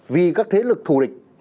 vì các thế lực thù địch